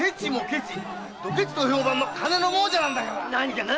ドケチと評判の金の亡者なんだから。